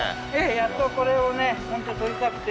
やっとこれをホントに捕りたくて。